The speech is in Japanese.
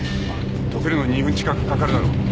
溶けるのに２分近くかかるだろう。